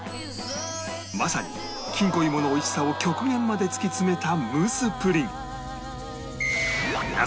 まさにきんこ芋のおいしさを極限まで突き詰めたムースプリン